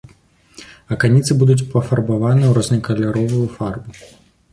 Аканіцы будуць пафарбаваны ў рознакаляровую фарбу.